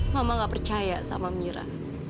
mama gak percaya sama mira